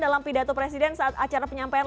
dalam pidato presiden saat acara penyampaian